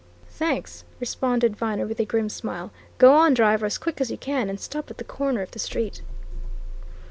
"Thanks," responded Viner with a grim smile. "Go on, driver, as quick as you can, and stop at the corner of the street."